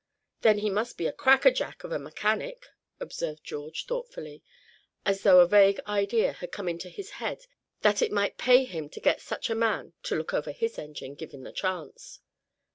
"Then he must be a crack a jack of a mechanic," observed George, thoughtfully, as though a vague idea had come into his head that it might pay him to get such a man to look over his engine, given the chance.